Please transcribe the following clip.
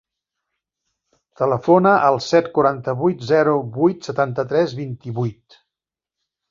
Telefona al set, quaranta-vuit, zero, vuit, setanta-tres, vint-i-vuit.